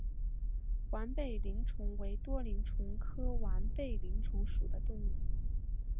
完背鳞虫为多鳞虫科完背鳞虫属的动物。